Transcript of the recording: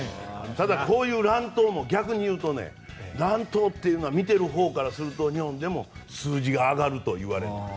ただこういう乱闘も逆に言うと乱闘というのは見ているほうでも日本でも数字が上がるといわれる。